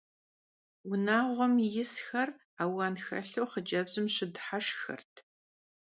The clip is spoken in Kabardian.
Vunağuem yisxer auan xelhu xhıcebzım şıdıheşşxxert.